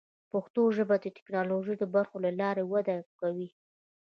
پښتو ژبه د ټکنالوژۍ د برخو له لارې وده کوي.